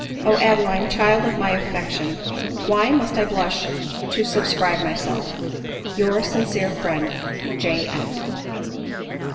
O Adeline, child of my affection ! why must I blush to subscribe myself. Your sincere friend, J. N